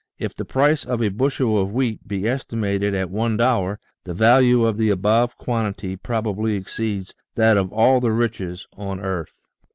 If the price of a bushel of wheat be estimated at one dollar, the value of the above quantity probably exceeds that of all the riches on the earth.